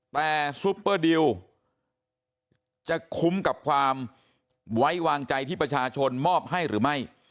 แต่ซุปเปอร์ดิวจะคุ้มกับความไว้วางใจที่ประชาชนมอบให้หรือไม่